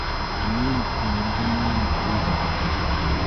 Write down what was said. Мин... донъянан туйҙым...